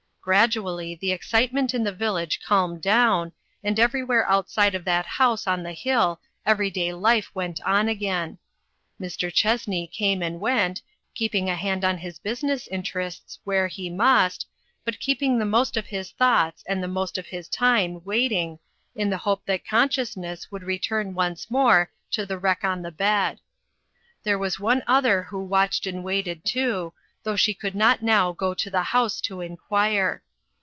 Gradually the excitement in the village calmed down, and everywhere outside of that house on the hill every day life went on again. Mr. Chessney came and went, keeping a hand on his business inter ests where he must, but keeping the most of his thoughts and the most of his time waiting, in the hope that consciousness would return once more to the wreck on the bed. There was one other who watched and waited, too, though she could not now go to the house to inquire.